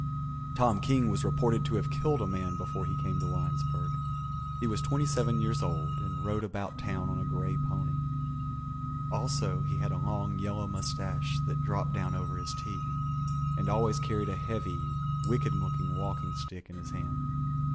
Tom King was reported to have killed a man before he came to Winesburg. He was twenty seven years old and rode about town on a grey pony. Also he had a long yellow mustache that dropped down over his teeth, and always carried a heavy, wicked looking walking stick in his hand.